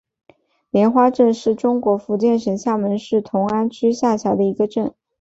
莲花镇是中国福建省厦门市同安区下辖的一个镇。